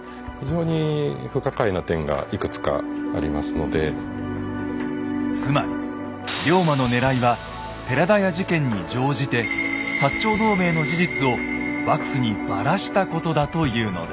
なぜつまり龍馬のねらいは寺田屋事件に乗じて長同盟の事実を幕府にバラしたことだというのです。